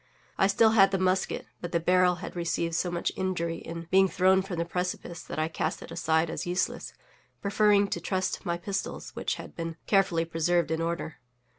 I still had the musket, but the barrel had received so much injury in being thrown from the precipice that I cast it aside as useless, preferring to trust my pistols, which had been carefully preserved in order.